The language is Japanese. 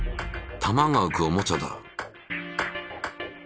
球が浮くおもちゃだ。